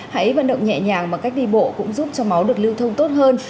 hãy vận động nhẹ nhàng bằng cách đi bộ cũng giúp cho máu được lưu thông tốt hơn